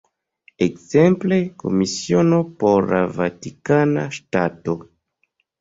Ekzemple, Komisiono por la Vatikana Ŝtato.